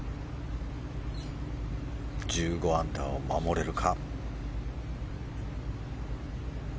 １５アンダーを守れるか。